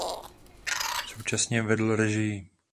Současně vedl režii.